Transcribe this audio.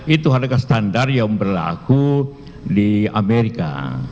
itu adalah bidang yang berlaku di amerika